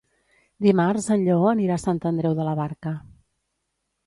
Dimarts en Lleó anirà a Sant Andreu de la Barca.